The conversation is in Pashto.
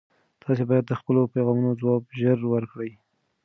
تاسي باید د خپلو پیغامونو ځواب ژر ورکړئ.